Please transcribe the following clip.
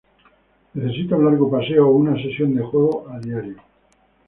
Necesita un largo paseo o una sesión de juego a diario.